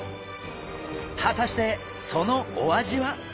果たしてそのお味は？